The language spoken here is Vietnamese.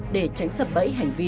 để tránh sập bẫy hành vi